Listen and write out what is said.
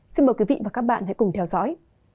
xin mời quý vị và các bạn hãy cùng theo dõi